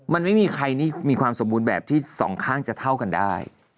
มันไม่มีใครนี่มีความสมบูรณ์แบบที่สองข้างจะเท่ากันได้